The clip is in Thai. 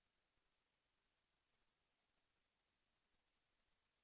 แสวได้ไงของเราก็เชียนนักอยู่ค่ะเป็นผู้ร่วมงานที่ดีมาก